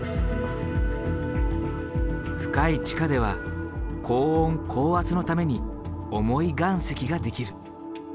深い地下では高温高圧のために重い岩石ができる。